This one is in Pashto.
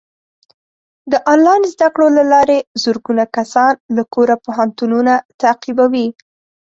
د آنلاین زده کړو له لارې زرګونه کسان له کوره پوهنتونونه تعقیبوي.